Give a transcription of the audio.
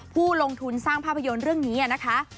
ผู้ลงทุนสร้างภาพยนตร์เรื่องนี้นะคะ